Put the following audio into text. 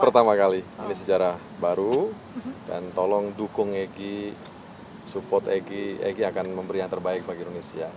pertama kali ini sejarah baru dan tolong dukung eg support egy akan memberi yang terbaik bagi indonesia